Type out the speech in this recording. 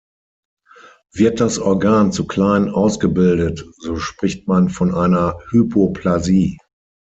Wird das Organ zu klein ausgebildet, so spricht man von einer Hypoplasie.